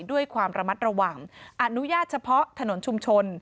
ด้วยความระมัดระวังอนุญาตเฉพาะถนนชุมชน